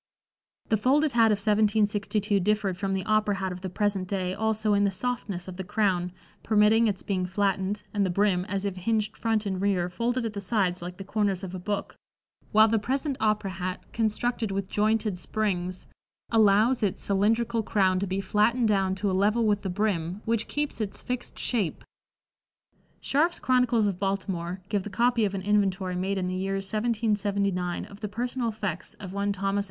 [Illustration: Folded Hat, 1762.] [Illustration: The 'Opera', 1887.] The folded hat of 1762 differed from the opera hat of the present day also in the softness of the crown, permitting its being flattened, and the brim, as if hinged front and rear, folded at the sides like the corners of a book, while the present opera hat, constructed with jointed springs, allows its cylindrical crown to be flattened down to a level with the brim, which keeps its fixed shape. Scharf's "Chronicles of Baltimore" give the copy of an inventory made in the year 1779 of the personal effects of one Thos.